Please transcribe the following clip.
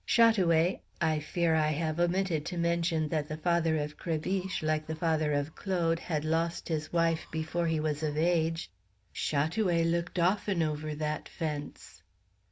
Chat oué, I fear I have omitted to mention that the father of Crébiche, like the father of Claude, had lost his wife before he was of age, Chat oué looked often over that fence.